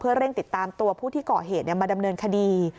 เร่งติดตามตัวผู้ที่ก่อเหตุมาดำเนินคดี